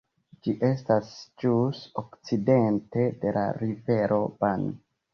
Ĝi estas ĵus okcidente de la Rivero Bani.